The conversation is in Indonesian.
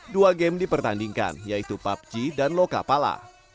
dua game dipertandingkan yaitu pubg dan lokapala